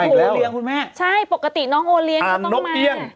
อู๋โอเลียงคุณแม่ใช่ปกติน้องโอเลียงก็ต้องมาอ่านนกเตี้ยง